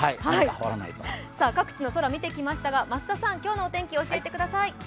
各地の空、見てきましたが、増田さん、今日のお天気教えてください。